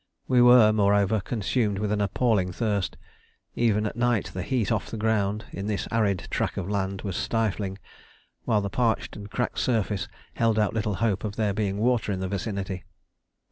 We were, moreover, consumed with an appalling thirst; even at night the heat off the ground in this arid track of land was stifling, while the parched and cracked surface held out little hope of there being water in the vicinity.